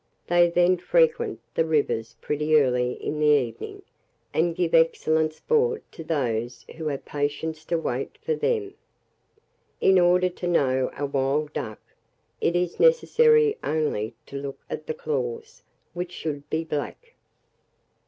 They then frequent the rivers pretty early in the evening, and give excellent sport to those who have patience to wait for them. In order to know a wild duck, it is necessary only to look at the claws, which should be black.